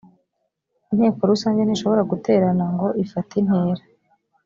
inteko rusange ntishobora guterana ngo ifateintera